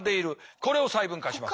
これを細分化します。